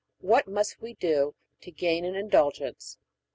What must we do to gain an Indulgence?